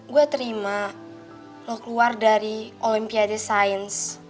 gue terima lo keluar dari olimpiade sains